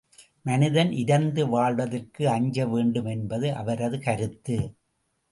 மனிதன் இரந்து வாழ்வதற்கு அஞ்சவேண்டும் என்பது அவரது கருத்து.